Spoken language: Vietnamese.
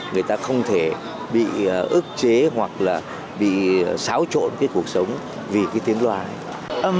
người ta không thể bị ức chế hoặc là bị xáo trộn cái cuộc sống vì cái tiếng loa này